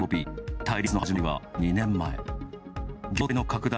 対立の始まりは２年前。